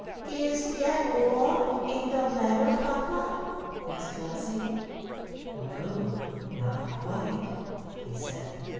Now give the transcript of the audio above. "Is that all in the letter, papa?" asked Flossie. "No, not quite," he said.